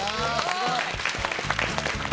すごい！